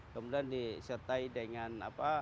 kemudian disertai dengan